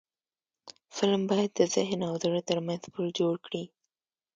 فلم باید د ذهن او زړه ترمنځ پل جوړ کړي